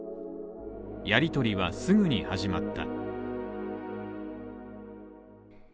やりとりはすぐに始まった。